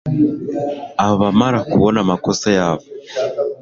Abamara kubona amakosa yabo